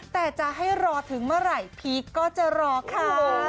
แต่จะให้รอถึงเมื่อไหร่พีคก็จะรอค่ะ